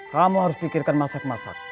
kamu harus pikirkan masak masak